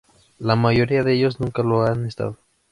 La mayoría de ellos nunca lo han estado.